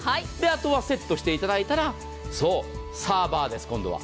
あとはセットしていただいたらサーバーです、今度は。